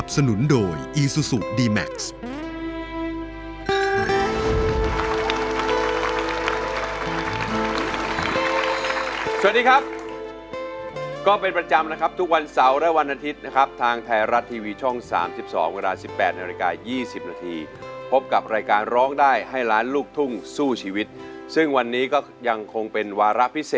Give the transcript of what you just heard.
สนับสนุนโดยอีซูซูดีแม็กซ์